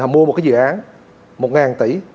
họ mua một dự án một ngàn tỷ